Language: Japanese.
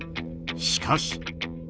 しかし。